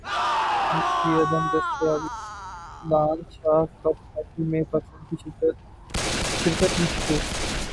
funds کی عدم دستیابی اذلان شاہ کپ ہاکی میں پاکستان کی شرکت مشکوک